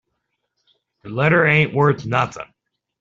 The letter ain't worth nothing.